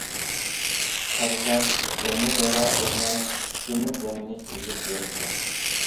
قارىسام بىرمۇ دورا يازماي، ئۈچ كۈنلۈك دەم ئېلىش يېزىپ بېرىپتۇ.